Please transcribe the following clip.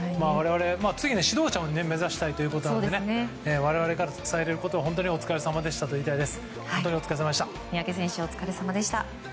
次は指導者を目指したいということなので我々から伝えらえることは本当にお疲れさまでしたと言いたいです。